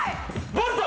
ボルト！